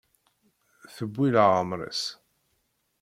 Tewwi leɛmer-is.